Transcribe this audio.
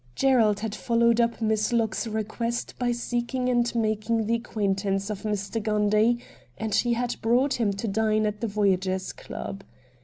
Gerald had followed up Miss Locke's request by seeking and making the acquaintance of Mr. Gundy, and he had brought him to dine at the Voyagers' Club.